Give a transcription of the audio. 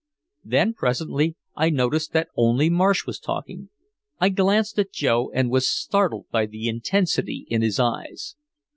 Then presently I noticed that only Marsh was talking. I glanced at Joe and was startled by the intensity in his eyes.